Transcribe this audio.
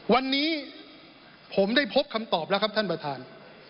วันนี้ผมได้พบคำตอบแล้วครับท่านประธาน